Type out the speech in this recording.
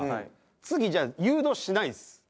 次じゃあ誘導しないです。